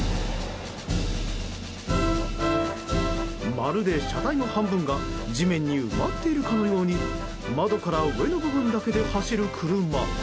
まるで車体の半分が地面に埋まっているかのように窓から上の部分だけで走る車。